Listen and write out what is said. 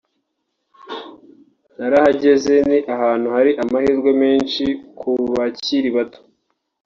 narahageze ni ahantu hari amahirwe menshi ku bakiri bato